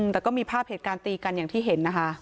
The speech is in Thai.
แต่ก็มีภาพเหตุการณ์ตีกันอย่างที่เห็นนะคะ